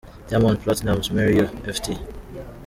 Diamond Platnumz – Marry You ft.